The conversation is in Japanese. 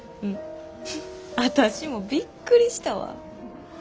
フフッ私もびっくりしたわ。